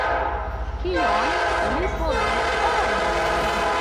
Kion li povis fari?